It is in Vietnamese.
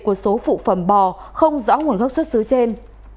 của số phụ phẩm bò không rõ nguồn gốc xuất xứ trên